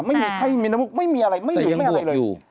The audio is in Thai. ไม่มีไข้มีนมกไม่มีอะไรไม่อยู่ไม่มีอะไรเลย